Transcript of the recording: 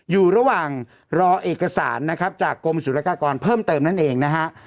อยู่ระหว่างรอเอกสารจากกรมสุรกากรเพิ่มเติมนั่นเองนะครับ